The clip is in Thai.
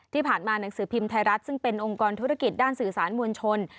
หนังสือพิมพ์ไทยรัฐซึ่งเป็นองค์กรธุรกิจด้านสื่อสารมวลชน